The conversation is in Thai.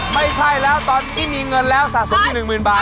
ไม่ใช่แล้วตอนนี้มีเงินแล้วสะสมอยู่๑๐๐๐บาท